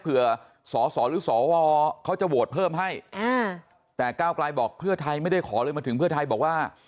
สอสอหรือสวเขาจะโหวตเพิ่มให้แต่ก้าวกลายบอกเพื่อไทยไม่ได้ขอเลยมาถึงเพื่อไทยบอกว่า